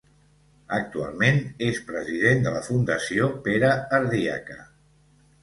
Actualment és president de la Fundació Pere Ardiaca.